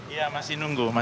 iya masih nunggu